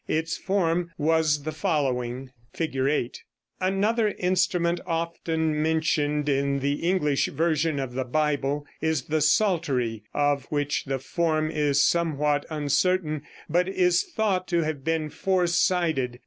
Its form was the following: [Illustration: Fig. 8.] Another instrument often mentioned in the English version of the Bible is the psaltery, of which the form is somewhat uncertain, but is thought to have been four sided.